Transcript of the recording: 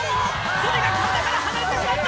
そりが体から離れてしまった！